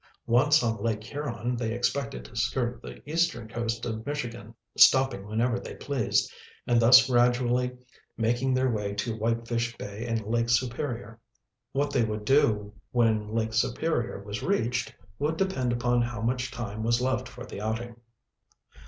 Once on Lake Huron they expected to skirt the eastern coast of Michigan, stopping whenever they pleased, and thus gradually make their way to Whitefish Bay and Lake Superior. What they would do when Lake Superior was reached would depend upon how much time was left for the outing.